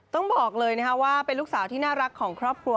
ต้องบอกเลยนะคะว่าเป็นลูกสาวที่น่ารักของครอบครัว